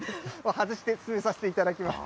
外して進めさせていただきます。